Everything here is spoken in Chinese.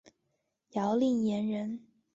姚令言人。